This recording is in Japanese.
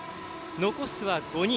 残すは５人。